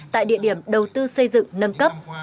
tại địa điểm đầu tư xây dựng nâng cấp